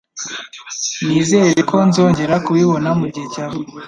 Nizere ko nzongera kubibona mu gihe cy' avuba.